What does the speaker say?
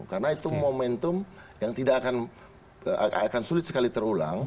karena itu momentum yang tidak akan sulit sekali terulang